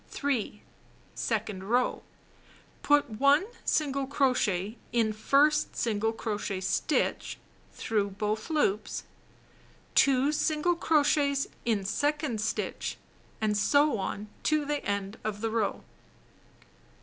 3. Second row. Put 1 single crochet in first single crochet stitch (through both loops), 2 single crochets in second stitch, and so on to end of the row.